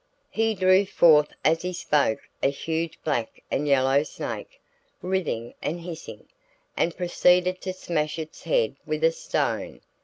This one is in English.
He drew forth as he spoke a huge black and yellow snake, writhing and hissing, and proceeded to smash its head with a stone.